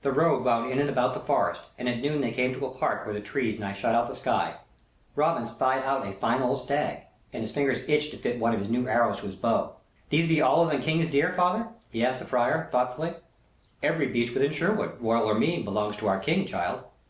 The road wound in and about the forest, and at noon they came to a part where the trees nigh shut out the sky. Robin spied out a fine old stag, and his fingers itched to fit one of his new arrows to his bow. "These be all of them King's deer, father?" he asked the friar, thoughtfully. "Every beast within Sherwood, royal or mean, belongs to our King, child."